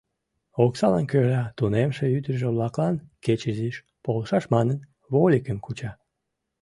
Оксалан кӧра, тунемше ӱдыржӧ-влаклан кеч изиш полшаш манын, вольыкым куча.